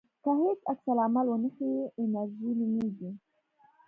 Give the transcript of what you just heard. که هیڅ عکس العمل ونه ښیې انېرژي نومېږي.